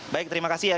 baik terima kasih ya